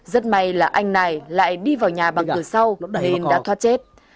rất may là anh này lại đi vào nhà bằng cửa sau nên đã thoát chết